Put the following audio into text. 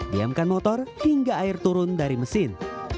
diamkan motor hingga air turun dari mesin